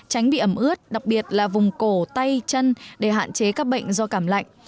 tránh bị ẩm ướt đặc biệt là vùng cổ tay chân để hạn chế các bệnh do cảm lạnh